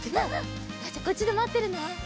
じゃあこっちでまってるね。